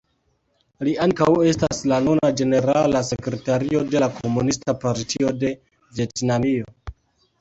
Li ankaŭ estas la nuna ĝenerala sekretario de la Komunista Partio de Vjetnamio.